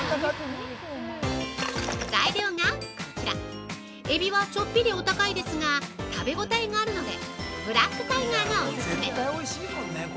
材料がこちらエビはちょっぴりお高いですが食べ応えがあるのでブラックタイガーがオススメ。